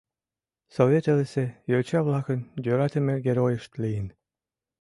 Совет элысе йоча-влакын йӧратыме геройышт лийын.